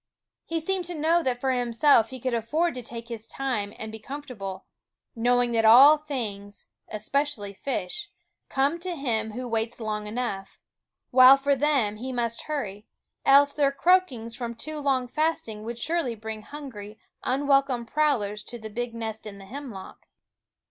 He seemed to know that for himself he could afford to take his time and be comfortable, knowing that all things, especially fish, come to him who waits long enough ; while for them he must hurry, else their croakings from too long fasting would surely bring hungry, unwelcome prowlers to the big nest in the hemlock.